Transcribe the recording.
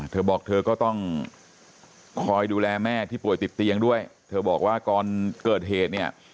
เธอบอกเธอก็ต้องคอยดูแลแม่ที่ป่วยติดเตียงด้วยเธอบอกว่าก่อนเกิดเหตุเนี่ย